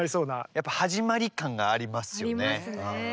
やっぱ始まり感がありますよね。ありますね。